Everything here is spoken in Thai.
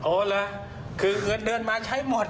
โอ้เหรอคือเงินเดือนมาใช้หมด